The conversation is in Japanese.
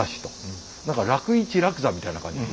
何か楽市楽座みたいな感じで。